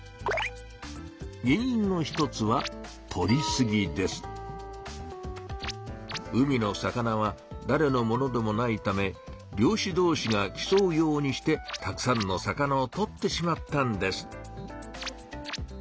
原いんの一つは海の魚はだれのものでもないため漁しどうしが競うようにしてたくさんの魚をとってしまったんです。